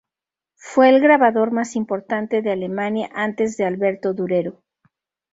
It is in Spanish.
Fue el grabador más importante de Alemania antes de Alberto Durero.